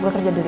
gue kerja dulu